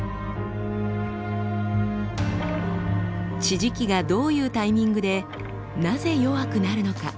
地磁気がどういうタイミングでなぜ弱くなるのか？